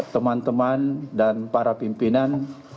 teman teman dan para pimpinan